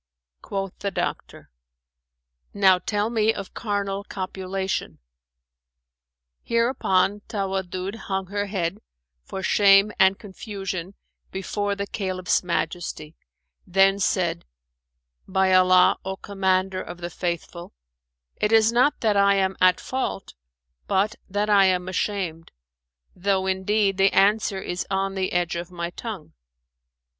Quoth the doctor, "Now tell me of carnal copulation." Hereupon Tawaddud hung her head, for shame and confusion before the Caliph's majesty; then said, "By Allah, O Commander of the Faithful, it is not that I am at fault, but that I am ashamed; though, indeed, the answer is on the edge of my tongue."